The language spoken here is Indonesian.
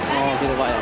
oh gitu pak ya